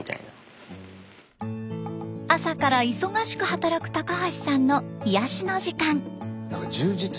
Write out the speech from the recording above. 朝から忙しく働く高橋さんの癒やしの時間。